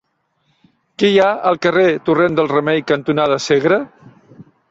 Què hi ha al carrer Torrent del Remei cantonada Segre?